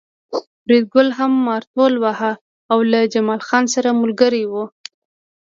فریدګل هم مارتول واهه او له جمال خان سره ملګری و